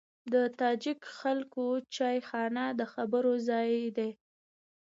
د تاجک خلکو چایخانه د خبرو ځای دی.